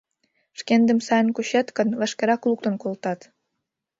— Шкендым сайын кучет гын, вашкерак луктын колтат.